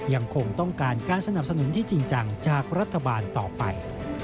ยังคงต้องการการสนับสนุนที่จริงจังจากรัฐบาลต่อไป